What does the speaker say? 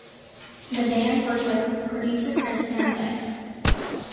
The band worked with producer Chris Hanzsek.